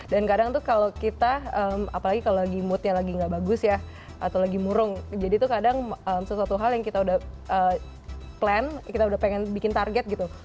dan kadang tuh kalau kita apalagi kalau lagi moodnya lagi gak bagus ya atau lagi murung jadi itu kadang sesuatu hal yang kita udah plan kita udah pengen bikin target gitu